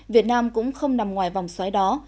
việt nam cũng không nằm ngoài vòng xoáy đó